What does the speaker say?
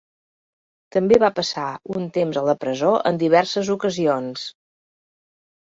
També va passar un temps a la presó en diverses ocasions.